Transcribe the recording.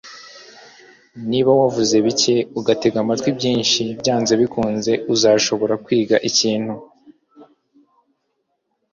Niba wavuze bike ugatega amatwi byinshi, byanze bikunze uzashobora kwiga ikintu.